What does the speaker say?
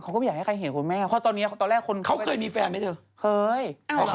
เออเจมส์จี้มีแค่นี้หรอ